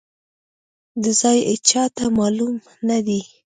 دا ځای ايچاته مالوم ندی.